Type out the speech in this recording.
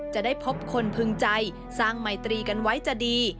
จะได้พบคนพึงใจสร้างไมตรีกันไว้จะดี